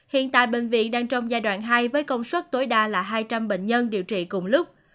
hiện tại bệnh viện đang trong giai đoạn hai với công suất tối đa là hai trăm linh bệnh nhân điều trị cùng lúc